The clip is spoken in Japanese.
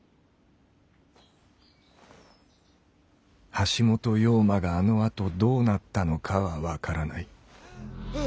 「橋本陽馬」があのあとどうなったのかは分からない。